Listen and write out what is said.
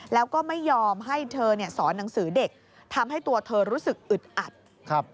แล้วก็ไม่ยอมให้เธอเนี่ยสอนหนังสือเด็กทำให้ตัวเธอรู้สึกอึดอัดครับ